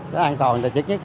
đó là an toàn đó là chết chết